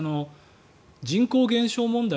人口減少問題